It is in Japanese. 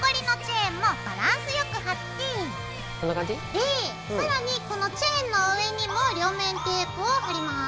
で更にこのチェーンの上にも両面テープを貼ります。